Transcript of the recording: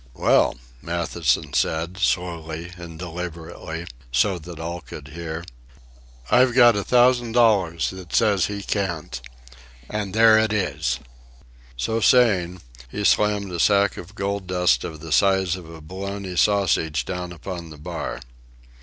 "Well," Matthewson said, slowly and deliberately, so that all could hear, "I've got a thousand dollars that says he can't. And there it is." So saying, he slammed a sack of gold dust of the size of a bologna sausage down upon the bar.